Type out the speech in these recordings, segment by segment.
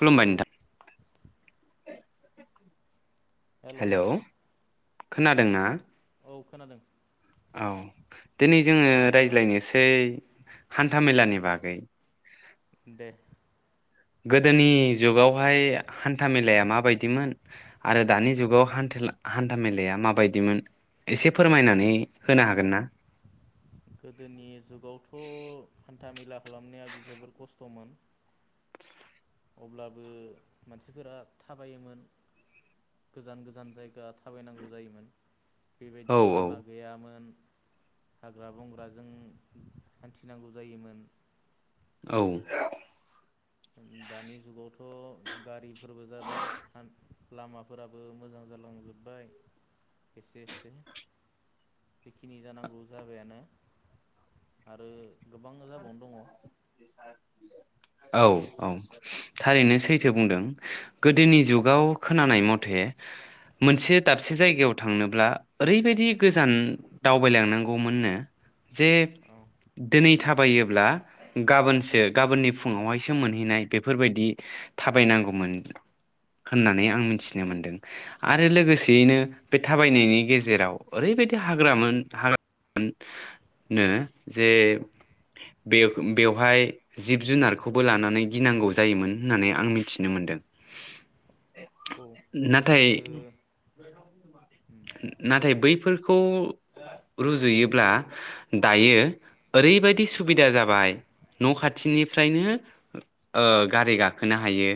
खुलुमबाय हेलौ नोंथां। हेलौ। खोनादोंना? औ खोनादों। औ दिनै जोङो रायज्लायनोसै हान्था मेलानि बागै। दे। गोदोनि जुगावहाय हान्था मेलाया माबायदिमोन आरो दानि जुगाव हान्था मेलाया माबायदिमोन एसे फोरमायनानै होनो हागोन ना। गोदोनि जुगावथ हान्था मेला खालामनाया जोबोर खस्थमोन। अब्लाबो मानसिफोरा थाबायोमोन गोजान गोजान जायगा थाबायनांगौ जायोमोन। औ बेबायदि औ लामा गैयामोन। हाग्रा बंग्राजों हान्थिनांगौ जायोमोन। औ। दानि जुगावथ' गारिफोरबो जाबाय लामाफोराबो मोजां जालांजोबबाय एसे एसे जिखिनि जानांगौ जाबायानो आरो गोबां जाबावनो दङ। औ औ थारैनो सैथो बुंदों। गोदोनि जुगाव खोनानाय मथे। मोनसे दाबसे जायगायाव थांनोब्ला ओरैबायदि गोजान दावबायलांनांगौमोननो। जे दिनै। थाबायोब्ला गाबोनसो गाबोननि फुङावहायसो मोनहैनाय बेफोर बायदि थाबाय नांगौमोन होननानै आं मिथिनो मोनदों आरो लोगोसेयैनो बे थाबायनायनि गेजेराव ओरैबायदि हाग्रामोन हाग्रानो जे बे बेवहाय जिब जुनारखौबो लानानै गिनांगौ जायोमोन होननानै आं मिथिनो मोनदों। औ नाथाय गोजो दे नाथाय बुं बैफोरखौ रुजुयोब्ला दायो ओरै बायदि। सुबिदा जाबाय न'खाथिनिफ्रायनो गारि गाखोनो हायो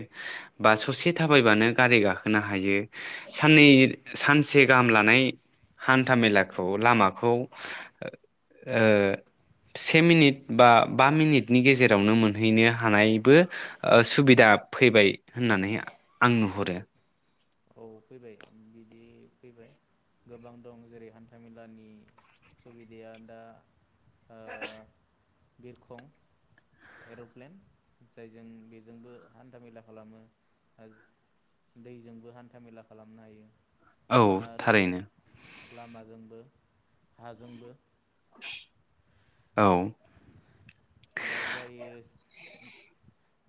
बा ससे थाबायबानो गारि गाखोनो हायो साननै सानसे गाहाम लानाय हान्था मेलाखौ लामाखौ ओ से मिनिट। बा बा मिनिटनि गेजेरावनो मोनहैनो हानायबो सुबिदा फैबाय होननानै आं नुहरो। औ फैबाय बिदि फैबाय गोबां दं जेरै हान्था मेलानि सुबिदाया दा। ओ। बिरखं एरप्लेन जायजों बेजोंबो हान्था मेला खालामो दैजोंबो हान्था हान्थामेला खालामनो हायो। औ आरो थारैनो। लामाजोंबो हाजोंबो। औ। दा जायो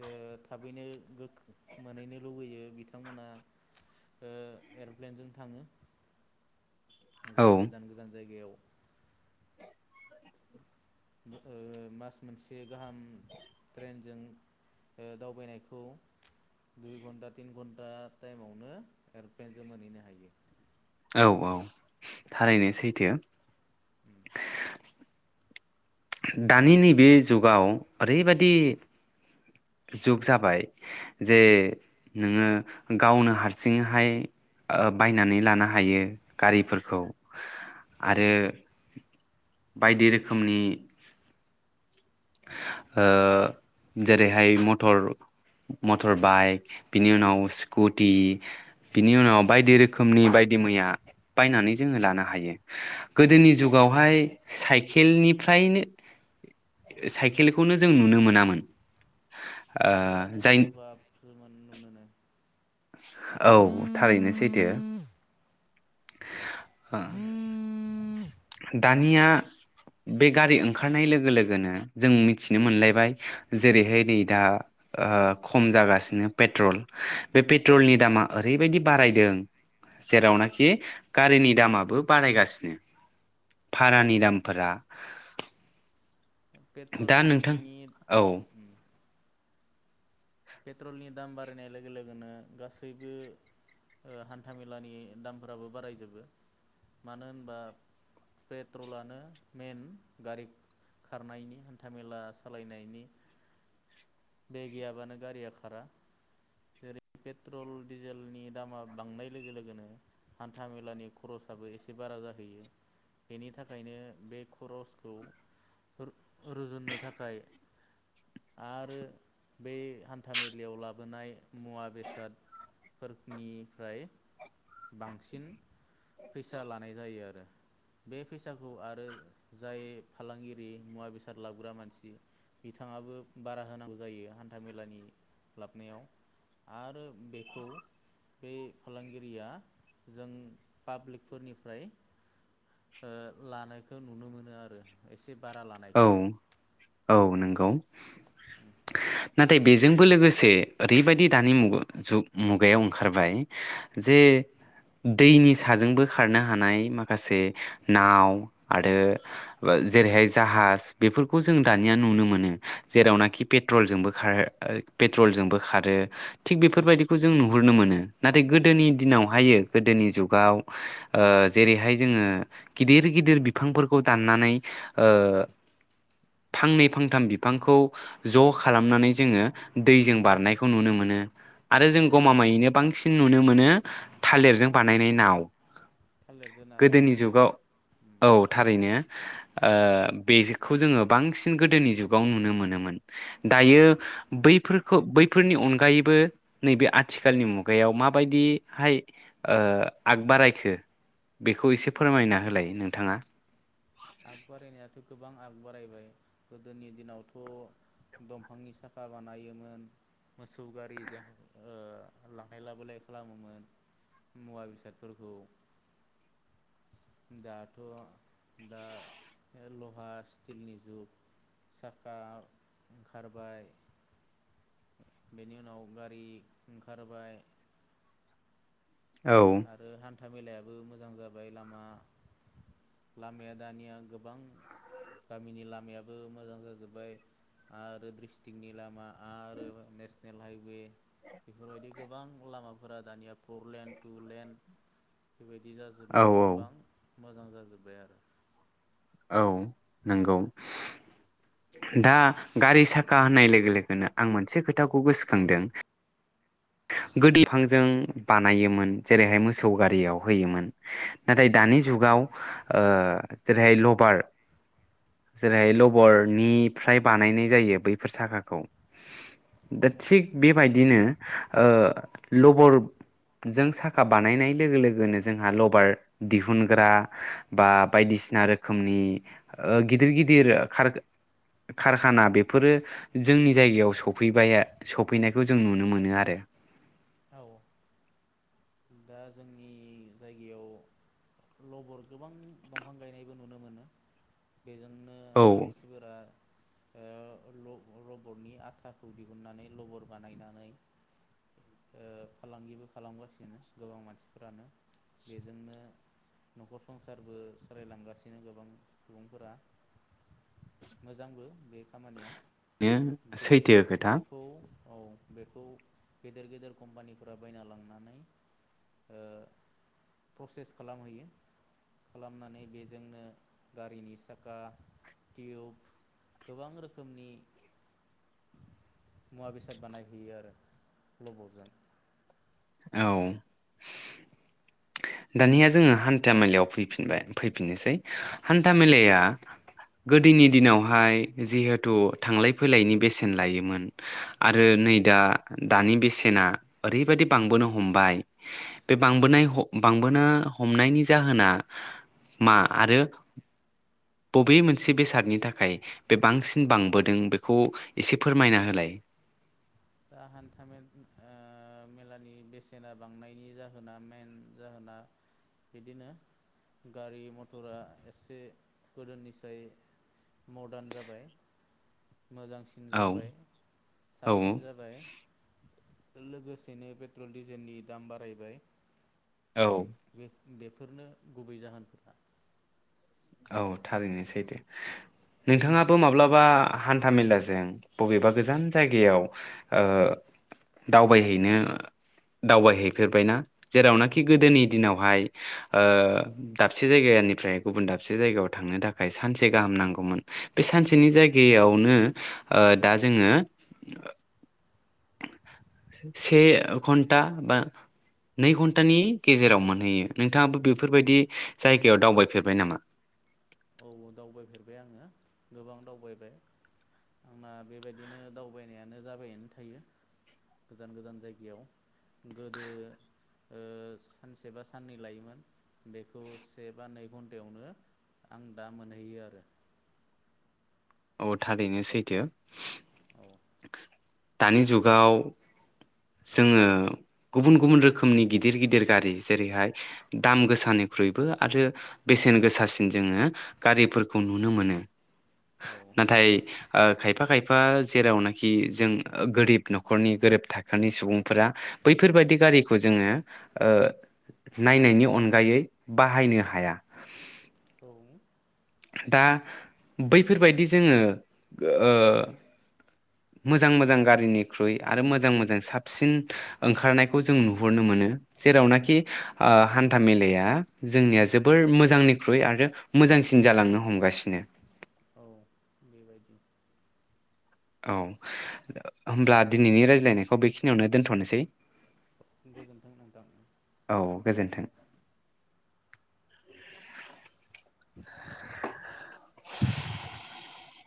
ओ थाबैनो गो मोनहैनो लुबैयो बिथांमोना एरप्लेनजों थाङो। औ जेरै गोजान गोजान जायगायाव। ओ मास मोनसे गाहाम ट्रेनजों ओ दावबायनायखौ दुइ घन्टा तिन घन्टा टाइमावनो एरप्लेनजों मोनहैनो हायो। औ औ थारैनो सैथो। दानि नैबे जुगाव ओरै बायदि जुग जाबाय जे नोङो गावनो हारसिंहाय ओ बायनानै लानो हायो गारिफोरखौ औ आरो बायदि रोखोमनि ओ जेरैहाय मटर मटर बाइक बिनि उनाव स्कुटि बिनि उनाव बायदि रोखोमनि बायदि मैया बायनानै जोङो लानो हायो गोदोनि औ जुगावहाय साइकेलनिफ्रायनो साइकेलखौनो जों नुनो मोनामोन। ओ साइकेलानो जाय [unintelligible] औ थारैनो सैथो। [unintelligible] दानिया बे गारि ओंखारनाय लोगो लोगोनो जों मिथिनो मोनलायबाय जेरैहाय नै दा ओ खम जागासिनो पेट्रल बे पेट्रलनि दामा ओरैबायदि। बारायदों जेरावनाखि गारिनि दामाबो बारायगासिनो। भारानि दामफोरा दा नोंथां पेट्रलनि औ ओम पेट्रलनि नि दाम बारायनाय लोगो लोगोनो गासैबो ओ हान्थामेलानि दामफोराबो बारायजोबो मानो होनबा पेट्रलानो मेन गारि खारनायनि हान्थामेला सालायनायनि बे गैयाबानो। गारिया खारा जेरै- पेट्रल डिजेलनि दामा बांनाय लोगो लोगोनो हान्था मेलानि खरसाबो एसे बारा जाहैयो बेनि थाखायनो बे खरसखौ रु-रुजुननो थाखाय आरो बे हान्था मेलायाव लाबोनाय मुवा बेसादफोरनिफ्राय बांसिन फैसा लानाय जायो आरो बे फैसाखौ आरो जाय फालांगिरि मुवा बेसाद लाबोग्रा मानसि बिथाङाबो बारा होनांगौ जायो हान्था मेलानि लाबोनायाव आरो बेखौ बे फालांगिरिया जों पाब्लिकफोरनिफ्राय ओ लानायखौ नुनो मोनो आरो एसे बे बारा लानायखौ। गौ ना थाय बेजोंबो लोगोसे ओरैबायदि दानि मुग जुग मुगायाव ओंखारबाय जे दैनि साजोंबो खारनो हानाय माखासे नाव आरो औ जेरैहाय जाहाज बेफोरखौ जों दानिया नुनो मोनो जेरावनाखि पेट्रलजोंबो खार पेट्रलजोंबो खारो। थिग औ बेफोरबायदिखौ जों नु हुरनो मोनो। नाथाय औ गोदोनि दिनाव हायो गोदोनि जुगाव ओ जेरैहाय जोङो गिदिर गिदिर बिफांफोरखौ दाननानै ओ औ फांनै फांथाम बिफांखौ ज' खालामनानै जोङो दैजों बारनायखौ नुनो मोनो। आरो जों औ गमामायैनो बांसिन नुनो मोनो थालिरजों बानायनाय नाव। थालिरजों ना गोदोनि बानायनाय ना जुगाव उम औ थारैनो। ओ बेखौ जोङो बांसिन गोदोनि जुगाव नुनो मोनोमोन दायो बैफोरखौ बैफोरनि अनगायैबो नैबे आथिखालनि मुगायाव माबायदिहाय ओ आग बारायखो बेखौ एसे फोरमायना होलाय नोंथाङा आगबाराय नाया थ गोबां आग बारायबाय गोदोनि दिनावथ दंफांनि साखा बानायोमोन मोसौ गारिजों ओ लांलाय लाबोलाय खालामोमोन मुवा बेसादफोरखौ दाथ दा लहा स्टिलनि जुग साखा ओंखारबाय बेनि उनाव गारि ओंखारबाय औ आरो हान्था हान्थाामेलायाबो मोजां जाबाय लामा लामाया दानिया गोबां गामिनि लामायाबो मोजां जाजोब्बाय आरो ड्रिस्टिकनि लामा आरो नेसनेल हाइवे बेफोरबायदि गोबां लामाफोरा दानिया परलेण्ड बेबायदि औ जाजोबनानै औ गोबां मोजां जाजोब्बाय आरो औ नगौ दा गारि साखा होननाय लोगो लोगोनो आं मोनसे खोथाखौ गोसोखांदों गोदो बिफांजों बानायोमोन जेरैहाय मोसौ गारियाव होयोमोन नाथाय दानि अ जुगाव ओ जेरैहाय ल बार जेरैहाय औ लबरनिफ्राय बानायनाय जायो बैफोर साखाखौ दा थिग बेबायदिनो ओ लबरजों साखा बानायनाय लोगो लोगोनो जोंहा लबार दिहुनग्रा बा बायदिसिना रो रोखोमनि ओ गिदिर गिदिर कार कारखाना बेफोरो जोंनि जायगायाव सफैबाय सफैनायखौ जों नुनो मोनो। आरो औ दा जोंनि जायगायाव लबर गोबां दंफां गायनायबो नुनो मोनो। बेजोंनो औ मानसिफोरा ओ ल लबरनि आथाखौ दिहुननानै लबर बानायनानै ओ फालांगिबो खालामगासिनो गोबां मानसिफोरानो बेजोंनो नखर संसारबो सालायलांगासिनो गोबां सुबुंफोरा मोजांबो बे खामानिया बेनो बे सैथो खोथा बेखौ औ बेखौ गेदेर गेदेर कम्पानिफोरा बायना लांनानै ओ प्रसेस खालामहैयो खालामनानै बेजोंनो गारिनि साखा टिउब गोबां रोखोमनि मुवा बेसाद बानायहैयो आरो लबरजों। औ दानिया जोङो हान्था मेलायाव फैफिनबाय फैफिननोसै हान्था मेलाया गोदोनि दिनावहाय जिहेथु थांलाय फैलायनि बेसेन लायोमोन आरो औ नै दा दानि बि सेना ओरैबायदि बांबोनो हमबाय बे बांबोनाय ह बांबोनो हमनायनि जाहोना मा? आरो बबे मोनसे बेसादनि थाखाय बे बांसिन बांबोदों बेखौ एसे फोरमायना होलाय। दा हान्था मे मेलानि बेसेना बांनायनि जाहोना मेेन जाहोना बिदिनो गारि मटरा एसे गोदोनिसाय मदार्न जाबाय मोजांसिन औ जाबाय औ साबसिन बिनो जाबाय लोगोसेनो पेट्रल डिजेलनि दाम बारायबाय औ बे बेफोरनो गुबै जाहोनफोरा औ थारैनो सैथो नोंथाङाबो माब्लाबा हान्था मेलाजों बबेबा गोजान जायगायाव ओ दावबायहैनो दावबायहैफेरबायना जेरावनाखि गोदोनि दिनावहाय ओ दाबसे जायगानिफ्राय गुबुन दाबसे दाबसे जायगायाव थांनो थाखाय सानसे गाहाम नांगौमोन बे सानसेनि जायगायावनो ओ दा जोङो से घन्टा बा नै घन्टानि गेजेराव मोनहैयो नोंथाङाबो बेफोरबायदि जायगायाव दावबायफेरबाय नामा? औ दावबायफेरबाय आङो गोबां दावबायबाय आंना बेबायदिनो दावबायनायानो जाबायनो थायो गोजान गोजान जायगायाव गोदो ओ सानसे बा साननै लायोमोन बेखौ से बा नै घन्टायावनो आं दा मोनहैयो आरो अ थारैनो सैथो औ [unintelligible] दानि जुगाव जोङो गुबुन गुबुन रोखोमनि गिदिर गिदिर गारि जेरैहाय दाम गोसानिख्रुइबो आरो बेसेन गोसासिन जोङो गारिफोरखौ नुनो मोनो। औ नाथाय ओ खाय यफा खायफा जेरावनाखि जों गोरिब नखरनि गोरिब थाखोनि सुबुंफोरा बैफोरबायाददि गारिखौ जोङो ओ नायनायनि अनगायै बाहायनो हाया। औ दा बैफोरबायदि जोङो ओ मोजां मोजां गारिनिख्रुइ आरो मोजां मोजां साबसिन ओंखारनायखौ जों नुहरनो मोनो जेरावनाखि आ हान्था मेलाया जोंनिया जोबोर मोजांनिख्रुइ आरो मोजांसिन जालांनो हमगासिनो। औ बेबायदि औ होमब्ला दिनैनि रायज्लायनायखौ बेखिनियावनो दोनथनोसै। गोजोन्थों नोंथां औ गोजोन्थों। [unintelligible] [inaudible] [inaudible] [inaudible]